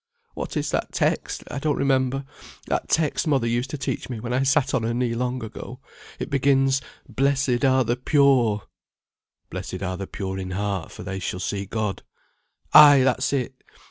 What is that text, I don't remember, that text mother used to teach me when I sat on her knee long ago; it begins, 'Blessed are the pure'" "Blessed are the pure in heart, for they shall see God." "Ay, that's it!